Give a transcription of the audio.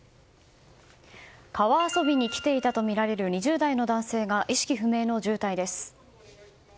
川遊びに来ていたとみられる２０代の男性が意識不明の重体です。